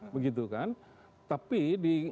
begitu kan tapi di